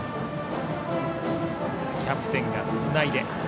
キャプテンがつないで。